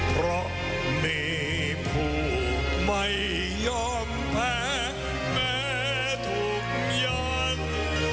เพราะมีผู้ไม่ยอมแพ้แม้ถูกย้อน